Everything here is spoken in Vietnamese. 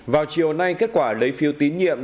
vào chiều nay kết quả lấy phiếu tín nhiệm